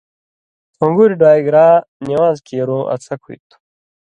ٹھُن٘گُریۡ ڈاگیۡرا نِوان٘ز کیرُوں اڅھک ہُوئ تھُو۔